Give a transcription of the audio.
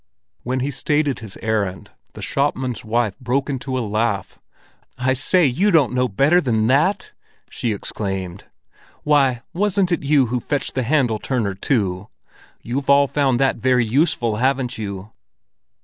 When he stated his errand, the shopman's wife broke into a laugh. "I say, don't you know better than that?" she exclaimed. "Why, wasn't it you who fetched the handle turner too? You've all found that very useful, haven't you?"